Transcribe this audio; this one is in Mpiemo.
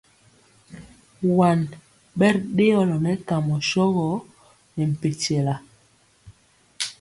Waŋ bɛri dëɔlo nɛ kamɔ shogɔ ne mpɛntyɛla.